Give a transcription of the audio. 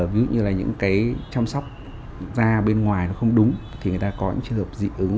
ví dụ như là những cái chăm sóc da bên ngoài nó không đúng thì người ta có những trường hợp dị ứng